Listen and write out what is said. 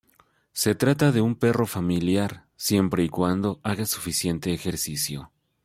Se trata de un perro familiar siempre y cuando haga suficiente ejercicio.